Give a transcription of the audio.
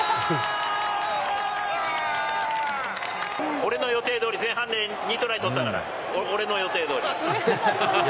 俺の予定どおり、前半で２トライ取ったから、俺の予定どおり。